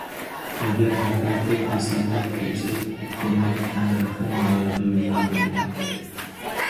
ئەگەر ھەقىقىي ھېسابلاپ كۆرسەك، بۇنىڭ تەننەرخى ناھايىتى يۇقىرى بولىدۇ.